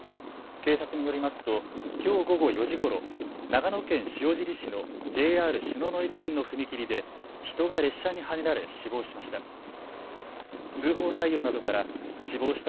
警察によりますときょう午後４時ごろ長野県塩尻市のＪＲ篠ノ井線の踏切で人が列車にはねられ死亡しました。